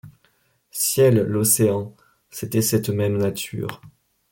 Ciel l' océan ! c'était cette même nature